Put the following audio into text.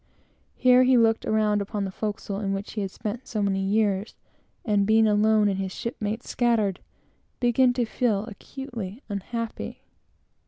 Here he looked round upon the forecastle in which he had spent so many years, and being alone and his shipmates scattered, he began to feel actually unhappy.